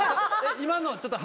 ・今のちょっと判決。